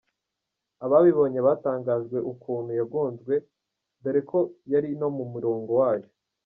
Ababibonye batangajwe ukuntu yagonzwe dore ko yari no mu murongo wayo.